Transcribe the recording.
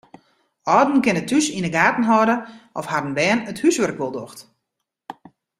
Alden kinne thús yn de gaten hâlde oft harren bern it húswurk wol docht.